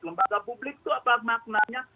lembaga publik itu apa maknanya